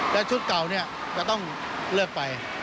และชุดเก่าจะต้องเลือกไป